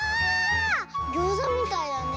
ギョーザみたいだね。